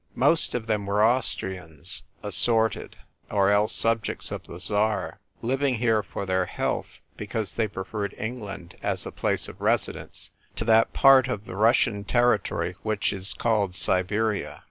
Most of them were Austrians (assorted) or else subjects of the Tsar, living here for their health, because they preferred England as a place of residence to that part of the Russian territory which is called Siberia.